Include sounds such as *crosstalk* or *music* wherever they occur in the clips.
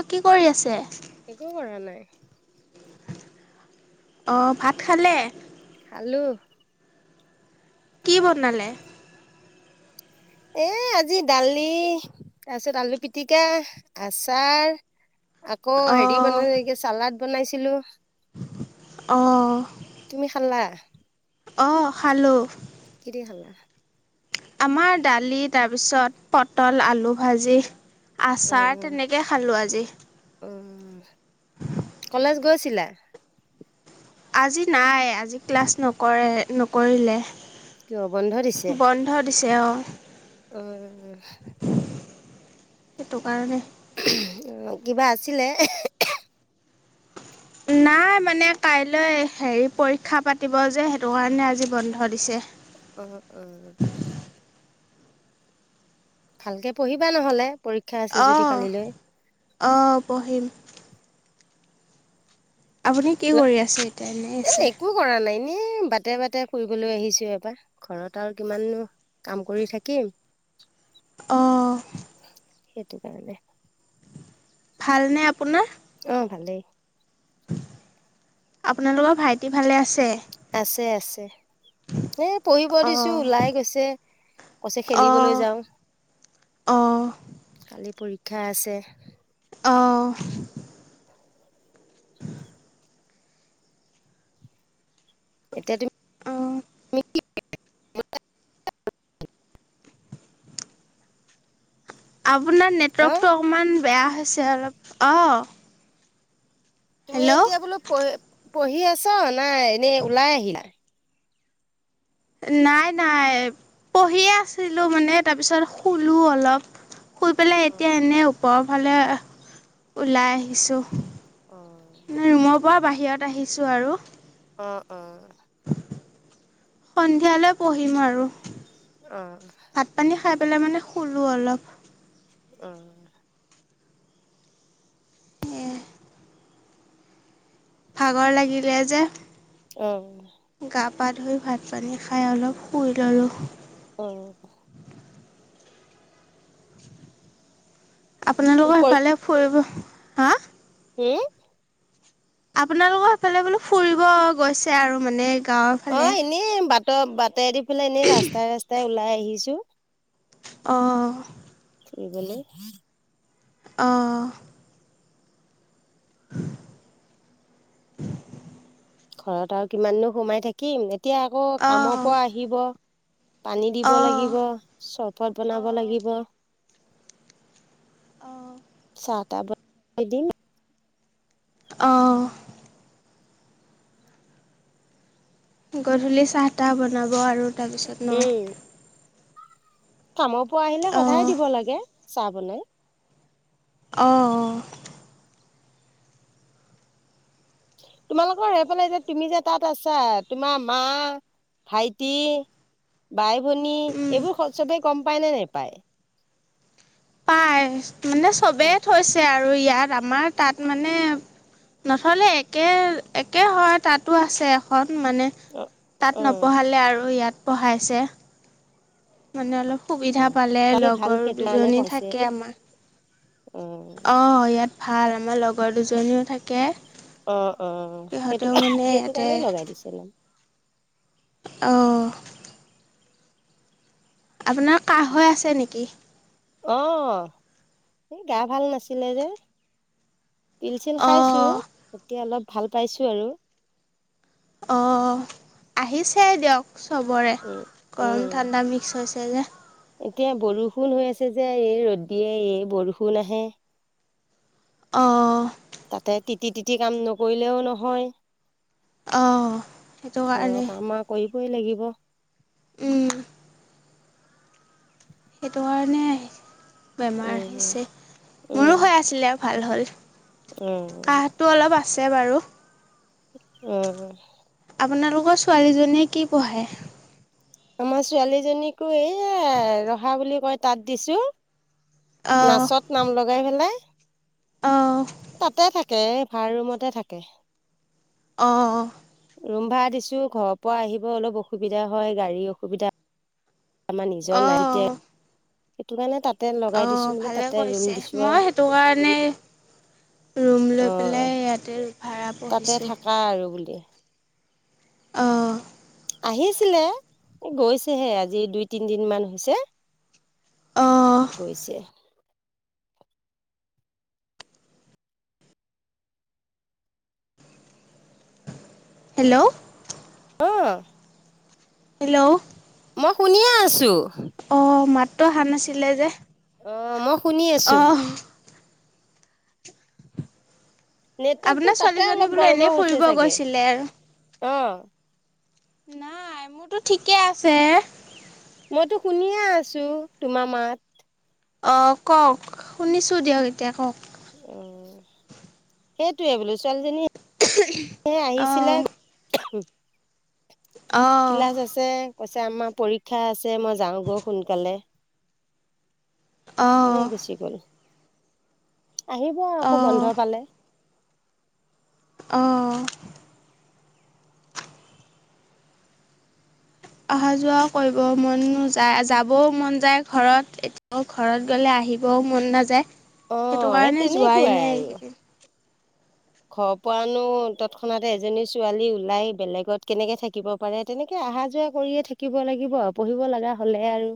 অঁ কি কৰি আছে? একো কৰা নাই। অঁ ভাত খালে? খালো কি বনালে? এই আজি দালি তাপিছত আলু পিটিকা আচাৰ আকৌ অ হেৰি বনাইলো চালাদ বনাইছিলো অঁ তুমি খালা অঁ খালো কি দি খালা আমাৰ দালি তাৰপিছত পটল আলু ভাজি আচাৰ উম তেনেকে খালোঁ আজি উম কলেজ গৈছিলা আজি নাই আজি ক্লাছ নকৰে নকৰিলে কিয় বন্ধ দিছে তেওঁ উম সেইটো কাৰণে কিবা আছিলে নাই নাই মানে কাইলৈ হেৰি পৰীক্ষা পাতিব যে সেইটো কাৰণে আজি বন্ধ দিছে উম উম ভালকে পঢ়িবা নহলে পৰীক্ষা আছে যদি অঁ কালিলৈ অঁ পঢ়িম আপুনি কি কৰি আছে এতিয়া এনেই আছে এই বাটে বাটে ফুৰিবলৈ আহিছোঁ এবাৰ ঘৰত আৰু কিমানো কাম কৰি থাকিম অঁ হেটো কাৰণে ভালনে আপোনাৰ অঁ ভালেই আপোনালোকৰ ভাইটি ভালে আছে আছে আছে এ পঢ়িব দিছো অ', ওলাই গৈছে কৈছে খেলিবলৈ অ', যাওঁ অ', কালি পৰীক্ষা আছে অ' এতিয়া অ'। তুমি *unintelligible* *inaudible* আপোনাৰ অ নেটৱৰ্কটো অকণমান বেয়া হৈছে অলপ অঁ তুমি এতিয়া বোলো পঢ়ি পঢ়ি আছা নে এনেই ওলাই আহিলা? নাই নাই পঢ়িয়ে আছিলো মানে তাৰপিছত শুলো অলপ। শুই পেলাই অ এতিয়া এনেই ওপৰৰ ফালে ওলাই আহিছোঁ। অঁ পোৱা বাহিৰত আহিছোঁ আৰু। অ' অ' সন্ধিয়ালৈ পঢ়িম আৰু। অঁ ভাত পানী খাই মানে শুলোঁ অলপ অঁ এয়াই ভাগৰ লাগিলে যে অঁ গা পা ধুই ভাত পানী খাই অলপ শুই ল'লোঁ। অ' আপোনালোকৰ অ সেফালে ফুৰিব হা কি আপোনালোকৰ সেইফালে বোলো ফুৰিব গৈছে আৰু মানে গাঁৱৰ অ ফালে এনেই বাটৰ বাটে দি ফালে এনেই ৰাস্তাই ৰাস্তাই ওলাই আহিছো অঁ ফুৰিবলে অহ *unintelligible* ঘৰত আৰু কিমান দিন সোমাই থাকিম এতিয়া আকৌ কামৰ অ', পৰা আহিব পানী দিব অ', লাগিব, চৰবত বনাব লাগিব অ চা টা বানাই দিম অ গধূলি চাহ তাহ বনাব আৰু তাৰপিছত উম ন কামৰ পৰা আহিলে সদায় অ', দিব লাগে চাহ বনাই। অঁ তোমালোকৰ সেইফালে এতি তুমি যে তাত আছা তোমাৰ মা ভাইটি বাই ভনী উম, এইবোৰ চবে গম পায় নে নেপায় পাই মানে অ চবেই থৈছে আৰু ইয়াত আমাৰ তাত মানে নথ'লে একে একে হয় তাতো আছে এখন। মানে তাত অ নপঢ়ালে আৰু ইয়াত পঢ়াইছে মানে অলপ সুবিধা পালে তাকে ভাল লগৰ সেইটো কাৰণে দুজনী পাইছে থাকে আমাৰ অ ইয়াত ভাল আমাৰ লগ লগৰ দুজনীও থাকে অ অ সেইটো সিহঁতেও মানে সেইটো ইয়াতে কাৰণে লগাই দিছে নাম অ আপোনাৰ কাহ হৈ আছে নেকি? অ এই গা ভাল নাছিলে যে পিল চিল খাইছোঁ অঁ এতিয়া অলপ ভাল পাইছোঁ আৰু। অ আহিছে দিয়ক চবৰে উম উম গৰম ঠাণ্ডা মিক্স হৈছে। তেযে এতিয়া বৰষুণ হৈ আছে যে এই ৰ'দ দিয়ে এই বৰষুণ আহে। অ তাতে তিতি তিতি কাম নকৰিলেও নহয়। অ সেইটো কাৰণে। ই লাগিব। উম সেইটো কাৰণে বেমাৰ উম আহিছে উম মোৰো হৈ আছিলে আও। ভাল হ'ল উম কাহটো অলপ আছে বাৰু। উম আপোনালোকৰ ছোৱালীজনীয়ে কি পঢ়ে? আমাৰ ছোৱালীজনীকো এইয়া ৰখা বুলি কয় তাত দিছোঁ। অঁ নাচত নাম লগাই পেলাই অঁ তাতে থাক- কে ভাড়া ৰুমতে থাকে। অ ৰুম ভাড়া দিছোঁ ঘৰৰ পৰা আহিব অলপ অসুবিধা হয় গাড়ীৰ অসুবিধা। আমাৰ নিজৰ নাই যেতিয়া অ', সেইটো কাৰণে তাত। অ ভালে কৰিছে, মই সেইটো কাৰণে। ৰুম অ লৈ পেলাই ইয়াতে ভাড়া তাতে বহিছোঁ থাকা আৰু বুলি অ', আহিছিলে গৈছেহে আজি দুই তিনিদিন মান হৈছে। অ', গৈছে। হেল্ল' অ হেল্ল' মই শুনিয়ে আছোঁ। অ মাতটো অহা নাছিলে যে। অ মই- শুনি আছো অহ নেটৱৰ্কটো আপোনাৰ তাতে ছোৱালীজনী অলপ বোলো এনেই গৰ্বৰ হৈছে ফুৰিব চাগে। গৈছিলে আৰু অ। নাই, মোৰতো ঠিকে আছে। মইতো শুনিয়ে আছো তোমাৰ মাত। অ কওক শুনিছো দিয়ক এতিয়া কওঁক। উ সেইটোয়ে বোলো ছোৱালীজনী এ আহিছিলে। অ', অ', কিলাচ আছে। কৈছে আমাৰ পৰীক্ষা আছে মই যাওঁগৈ শুনকালে। এ অ', গুছি গ'ল। আহিব আকৌ বন্ধ অ', পালে। অ অহা যোৱা কৰিব মন নোযায় যাবও মন যায় ঘৰত এতিয়া ঘৰত গ'লে আহিবও মন নাযায় অ সেইটো সেই কাৰণে যোৱাই নাই এইকেইদিন। ঘৰ পোৱানো তৎক্ষণাতে এজনী ছোৱালী ওলাই বেলেগত কেনেকে থাকিব পাৰে। তেনেকে- আহা যোৱা কৰিয়ে থাকিব লাগিব পঢ়িব লগা হ'লে আৰু।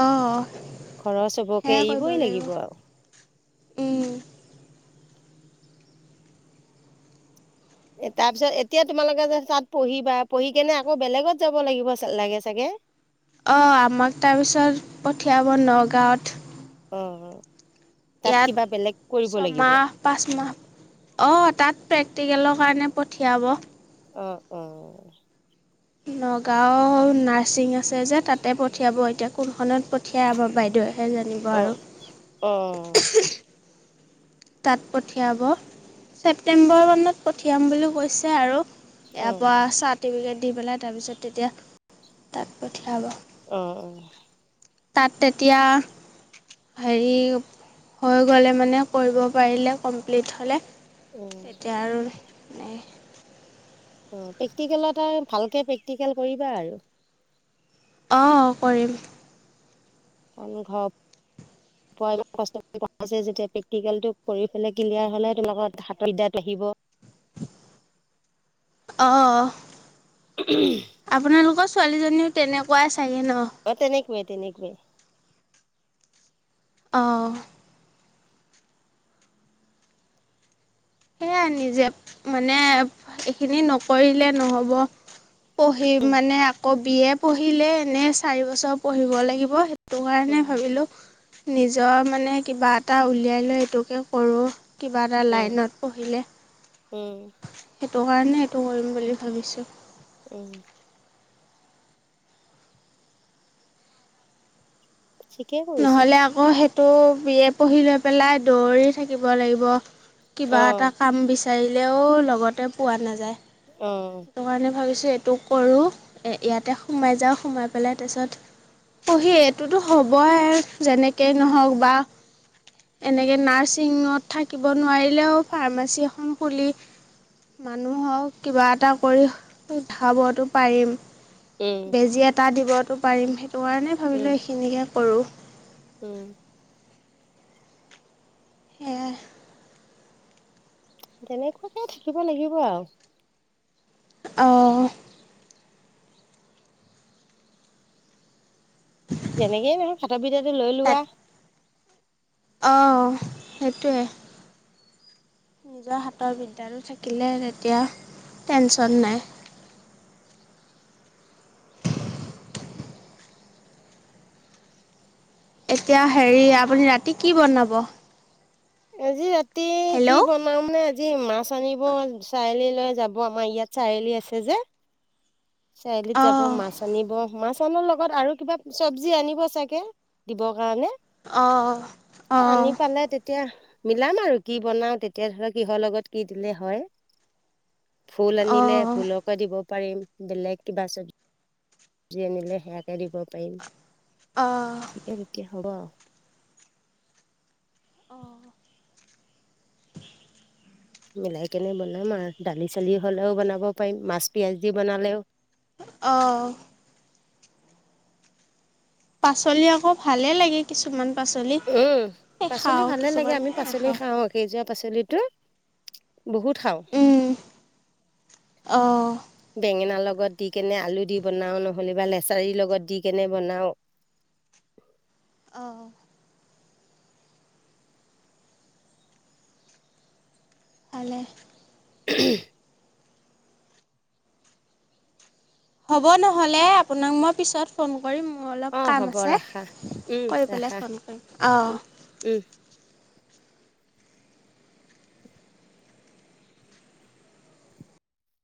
অ ঘৰৰ চবকে সেয়াই কৰিব এৰিবই লাগিব লাগিব। উম এ তাৰ পিছত এতিয়া তোমালোকে যে তাত পঢ়িবা পঢ়ি কেনে আকৌ বেলেগত যাব লাগিব লাগে চাগে। অ আমাক তাৰপিছত পঠিয়াব নগাঁৱত। অ তাত ইয়াত কিবা বেলেগ কৰিব লাগিব ছমাহ পাঁচমাহ অ তাত প্ৰেক- টিকেলৰ কাৰণে পঠিয়াব। অ অ নগাঁও নাৰ্ছিং আছে যে তাতে পঠিয়াব এতিয়া কোনখনত পঠিয়াই আমাৰ বাইদেৱে সে জানিব অ অ আৰু তাত পঠিয়াব ছেপটেম্বৰ মানত পঠিয়াম বুলি কৈছে আৰু অ ইয়াৰ অ পৰা চাৰ্টিফিকেট দি পেলাই তাৰপিছত তেতিয়া তাত পঠিয়াব। অ অ তাত তেতিয়া হেৰি হৈ গ'লে মানে কৰিব পাৰিলে কমপ্লিট হ'লে অ তেতিয়া আৰু মানে অ প্ৰেক্টিকেলত আৰু ভালকে প্ৰেক্টিকেল কৰিবা। আৰু- অ কৰিম। অনুভৱ- কষ্ট কৰি পঢ়াইছে যেতিয়া প্ৰেক্টিকেলটো কৰি পেলাই ক্লিয়েৰ হলে তোমালোকৰ হাতৰ বিদ্যাটো আহিব। আহিব অ আপোনালোকৰ ছোৱালীজনীও তেনেকুৱাই চাগে ন অ তেনেকুৱাই তেনেকুৱাই অ সেয়াই নিজে মানে এইখিনি নকৰিলে নহ'ব পঢ়ি উম মানে আকৌ বি এ পঢ়িলে এনেই চাৰি বছৰ পঢ়িব লাগিব সেইটো কাৰণে উম ভাবিলোঁ নিজৰ মানে কিবা এটা উলিয়াই লৈ এইটোকে কৰোঁ। কিবা এটা উম লাইনত- পঢ়িলে উম সেইটো কাৰণে সেইটো কৰিম বুলি ভাবিছোঁ। উম ঠিকেই কৰিছে নহলে আকৌ সেইটো বিএ পঢ়ি লৈ পেলাই দৌৰি থাকিব লাগিব। কিবা অ এটা কাম বিচাৰিলেও লগতে পোৱা নাযায়। অ', সেইটো কাৰণে ভাবিছোঁ এইটো কৰোঁ ইয়াতে সোমাই যাওঁ সোমাই পেলাই তাৰপিছত- পঢ়ি এইটোতো হ'বই যেনেকেই নহওক বা- এনেকে নাৰ্ছিঙত, থাকিব নোৱাৰিলেও ফাৰ্মাচী, এখন খুলি- মানুহক কিবা এটা- কৰি উঠাবটো পাৰিম উম, বেজী এটা দিবতো পাৰিম সেই সেইটো কাৰণে উম, ভাবিলোঁ এইখিনিকে কৰোঁ। উম সেয়াই তেনেকুৱাকে থাকিব লাগিব আৰু অঁ যেনেকেই নহওক হাতৰ বিদ্যাটো লৈ তাত লোৱা অঁ সেইটোৱে নিজৰ হাতৰ বিদ্যাটো থাকিলে তেতিয়া টেনচন নাই। *inaudible* এতিয়া হেৰি আপুনি ৰাতি কি বনাব- আজি ৰাতি হেল্ল' কি বনাম নে আজি মাছ আনি- ব চাৰিআলি লৈ যাব আমাৰ ইয়াত চাৰিআলি আছে। যে চাৰিআলিত যাব অঁ মাছ আনিব মাছ অনাৰ লগত আৰু কিবা চব্জি আনিব চাগে দিব। দিব কাৰণে অঁ অঁ আনি পালে তেতিয়া। মিলাম আৰু কি বনাও তেতিয়া ধৰক কিহৰ লগত কি দিলে হয়। ভুল আনিলে অঁ ভুলকে দিব পাৰিম বেলেগ কিবা চবজি চবজি আনিলে সেয়াকে দিব পাৰিম অঁ তেনেকে হব আৰু অঁ মিলাই কেনে বনাম আৰু দালি চালি হ'লেও বনাব পাৰিম মাছ পিয়াজ দি বনালেও- অঁ পাচলি আকৌ ভালে লাগে কিছুমান পাচলি উম এই পাচলি খাওঁ ভালে লাগে কিছুমান আমি পাচলি নাখাওঁ খাওঁ সিজোৱা পাচলিটো বহুত খাও উম অঁ বেঙেনা লগত লগত দি কেনে আলু দি বনাও নহ'লে বা লেচাৰীৰ লগত দি কেনে বনাও অঁ ভালেই হ'ব নহ'লে আপোনাক মই পিছত ফোন কৰ কৰিম মোৰ অ অলপ কাম হ'ব আছে ৰাখা উম কৰি পেলাই ৰাখা ফোন কৰিম অঁ উম উম